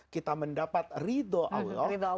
kita mendapat ridho allah